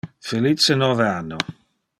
Felice nove anno!